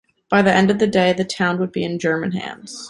By the end of the day, the town would be in German hands.